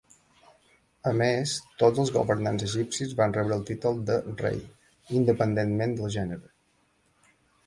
A més, tots els governants egipcis van rebre el títol de "rei", independentment del gènere.